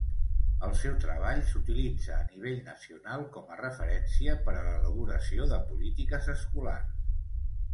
El seu treball s'utilitza a nivell nacional com a referència per a l'elaboració de polítiques escolars.